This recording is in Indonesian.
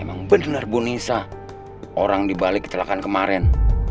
emang bener bu nisa orang di bali kecelakaan kemaren